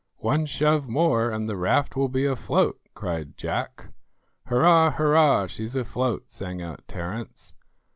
"One shove more and the raft will be afloat," cried Jack. "Hurrah, hurrah, she's afloat," sang out Terence.